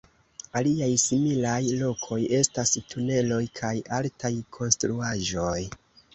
Aliaj similaj lokoj estas tuneloj kaj altaj konstruaĵoj.